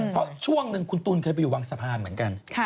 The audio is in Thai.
เพราะช่วงหนึ่งคุณตูนเคยไปอยู่วังสะพานเหมือนกัน